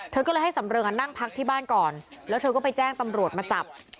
เธอก็เลยให้สำเริงนั่งพักที่บ้านก่อนแล้วเธอก็ไปแจ้งตำรวจมาจับ